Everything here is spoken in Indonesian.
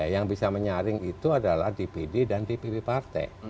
yang bisa menyaring itu adalah dpd dan dpp partai